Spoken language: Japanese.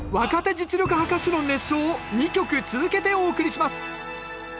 実力派歌手の熱唱を２曲続けてお送りします